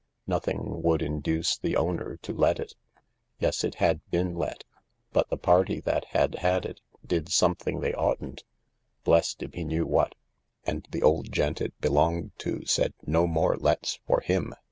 Nothing would induce the owner to let it. Yes, it had been let, but the party that had had it did something they oughtn't— blest if he knew what— and the old gent it belonged to said no more lets for him.